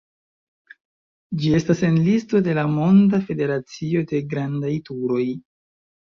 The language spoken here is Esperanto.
Ĝi estas en listo de la Monda Federacio de Grandaj Turoj.